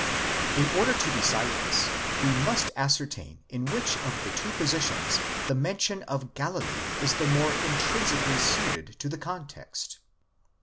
In order to decide this, we must ascertain in which of the two positions the men tion of Galilee is the more intrinsically suited to the context.